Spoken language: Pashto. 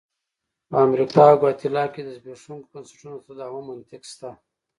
په امریکا او ګواتیلا کې د زبېښونکو بنسټونو د تداوم منطق شته.